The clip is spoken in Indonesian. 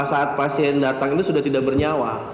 saat pasien datang ini sudah tidak bernyawa